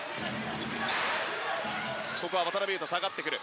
ここは渡邊雄太、下がってくる。